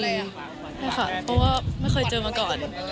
เพราะว่าไม่เคยเจอมาก่อน